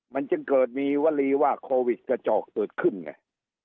มันจึงเกิดมีวลีว่าโควิดกระจอกเกิดขึ้นไง